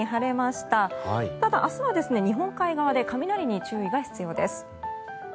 ただ、明日は日本海側で雷に注意が必要です。